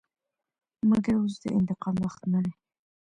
مګر اوس د انتقام وخت نه دى.